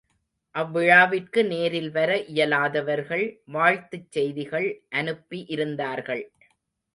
அவ்விழாவிற்கு நேரில் வர இயலாதவர்கள் வாழ்த்துச் செய்திகள் அனுப்பி இருந்தார்கள்.